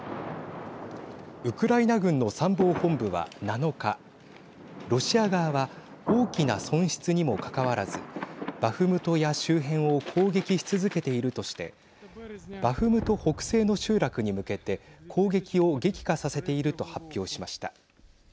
ウクライナ軍の参謀本部は７日ロシア側は大きな損失にもかかわらずバフムトや周辺を攻撃し続けているとしてバフムト北西の集落に向けて攻撃を激化させていると発表しました。